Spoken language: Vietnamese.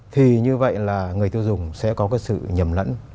thì như vậy là người tiêu dùng sẽ có cái sự nhầm lẫn